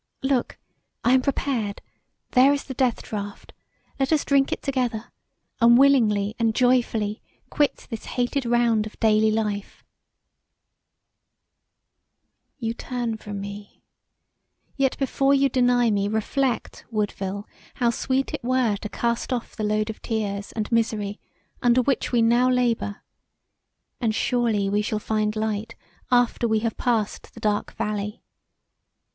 Look, I am prepared; there is the death draught, let us drink it together and willingly & joyfully quit this hated round of daily life[.] "You turn from me; yet before you deny me reflect, Woodville, how sweet it were to cast off the load of tears and misery under which we now labour: and surely we shall find light after we have passed the dark valley.